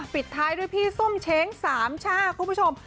ปิดท้ายด้วยพี่ส้มเช้งสามชาติคุณผู้ชม